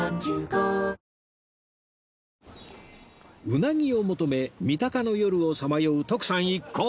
うなぎを求め三鷹の夜をさまよう徳さん一行